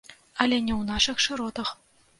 Але не ў нашых шыротах.